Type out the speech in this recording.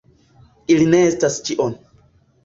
Ili ne estas ĉio.